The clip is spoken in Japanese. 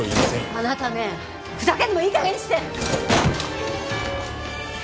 あなたねふざけるのもいいかげんにして！